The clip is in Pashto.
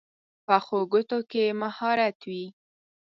پخو ګوتو کې مهارت وي